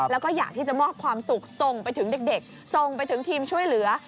แล้วก็อยากที่จะมอบความสุขส่งไปถึงเด็กส่งไปถึงทีมช่วยเหลือ